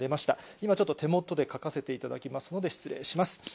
今、ちょっと手元で書かせていただきますので、失礼します。